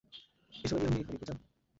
এসব এমনি হয়নি, পূজা।